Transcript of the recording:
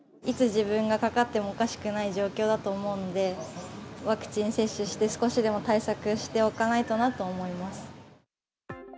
いつ自分がかかってもおかしくない状況だと思うので、ワクチン接種して、少しでも対策しておかないとなと思います。